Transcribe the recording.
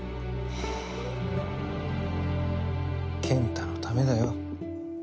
健太のためだよ。